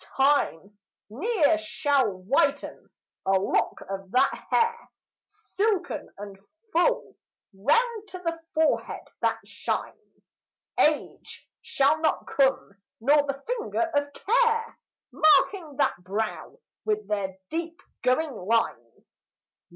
Time ne'er shall whiten a lock of that hair, Silken and full, round the forehead, that shines. Age shall not come, nor the finger of care, Marking that brow with their deep going lines.